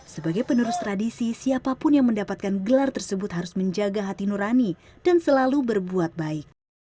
sebagai penerus tradisi siapapun yang mendapatkan gelar tersebut harus menjaga hati nurani dan selalu berbuat baik